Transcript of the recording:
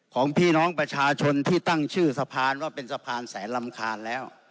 ของพี่น้องประชาชนที่ตั้งชื่อสะพานว่าเป็นสะพานแสนรำคาญแล้ว